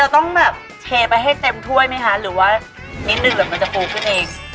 ต้องแบบเทไปให้เต็มถ้วยไหมคะหรือว่านิดนึงหรือมันจะปูขึ้นเอง